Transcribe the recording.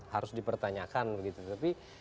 harus dipertanyakan begitu tapi